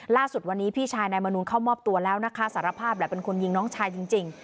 ล่าสุดวันนี้พี่ชายนายมนูลเข้ามอบตัวแล้วนะคะสารภาพแหละเป็นคนยิงน้องชายจริง